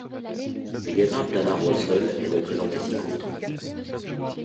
Le diagramme d'un arbre seul est représenté ci-contre.